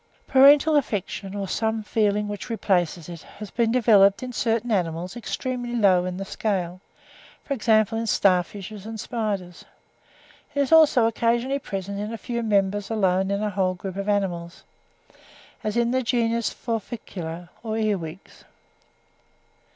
Parental affection, or some feeling which replaces it, has been developed in certain animals extremely low in the scale, for example, in star fishes and spiders. It is also occasionally present in a few members alone in a whole group of animals, as in the genus Forficula, or earwigs.